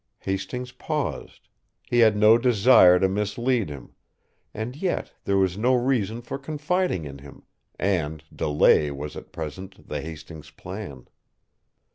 Hastings paused. He had no desire to mislead him. And yet, there was no reason for confiding in him and delay was at present the Hastings plan.